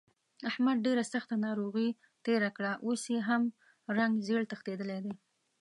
احمد ډېره سخته ناروغۍ تېره کړه، اوس یې هم رنګ زېړ تښتېدلی دی.